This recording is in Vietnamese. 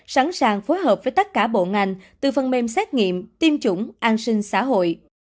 sẵn sàng phối hợp với tất cả bộ ngành từ phần mềm xét nghiệm tiêm chủng an sinh xã hội